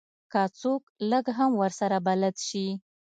که څوک لږ هم ورسره بلد شي.